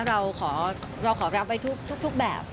เราขอรับไว้ทุกแบบ